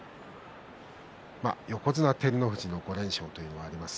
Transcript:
横綱照ノ富士の５連勝というのもあります。